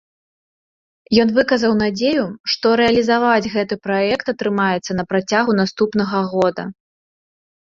Ён выказаў надзею, што рэалізаваць гэты праект атрымаецца на працягу наступнага года.